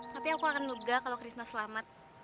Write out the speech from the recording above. tapi aku akan berhutang kalo krishna selamat